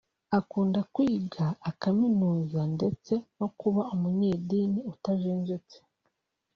Akunda kwiga akaminuza ndetse no kuba umunyedini utajenjetse